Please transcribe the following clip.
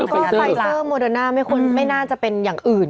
ก็ไฟเซอร์โมเดอร์น่าไม่น่าจะเป็นอย่างอื่น